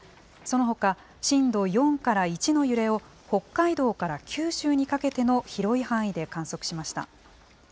そのほか、震度４から１の揺れを、北海道から九州にかけての広い範囲で観測しました。